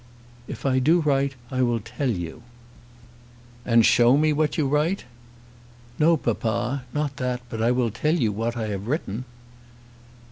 "If I do write I will tell you." "And show me what you write?" "No, papa; not that; but I will tell you what I have written."